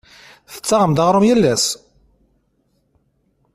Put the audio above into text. Tettaɣem-d aɣrum yal ass?